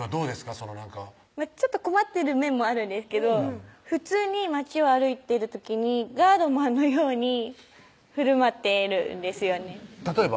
そのなんかちょっと困ってる面もあるんですけど普通に街を歩いてる時にガードマンのようにふるまっているんですよね例えば？